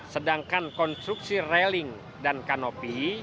sedangkan konstruksi railing dan kanopi